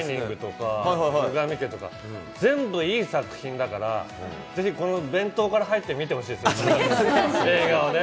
『シャイニング』とか、全部いい作品だから、ぜひこの弁当から入ってみてほしいですね、映画にね。